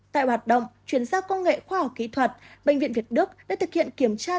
tại hoạt động chuyển giao công nghệ khoa học kỹ thuật bệnh viện việt đức đã thực hiện kiểm tra